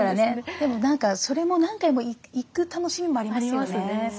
でもそれも何回も行く楽しみもありますよね。